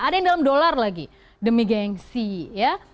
ada yang dalam dolar lagi demi gengsi ya